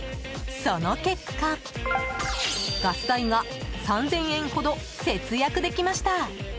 その結果、ガス代が３０００円ほど節約できました。